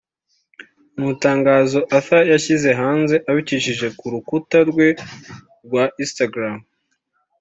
Mu itangazo Arthur yashyize hanze abicishije ku rukuta rwe rwa Instagram